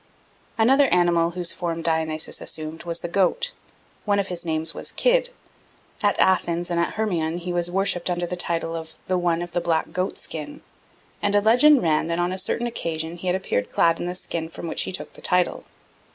Another animal whose form Dionysus assumed was the goat. One of his names was "Kid." At Athens and at Hermion he was worshipped under the title of "the one of the Black Goatskin," and a legend ran that on a certain occasion he had appeared clad in the skin from which he took the title.